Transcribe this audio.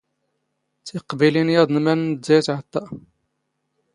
ⵜⵉⵇⴱⵉⵍⵉⵏ ⵢⴰⴹⵏ ⵎⴰⵏⵏⵜ ⴷ ⴰⵢⵜ ⵄⵟⵟⴰ.